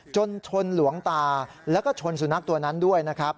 จนชนหลวงตาแล้วก็ชนสุนัขตัวนั้นด้วยนะครับ